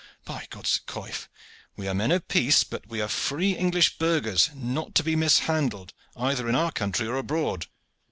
By God's coif! we are men of peace, but we are free English burghers, not to be mishandled either in our country or abroad.